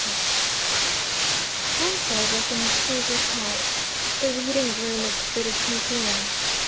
XX Ansell was in his favourite haunt the reading room of the British Museum.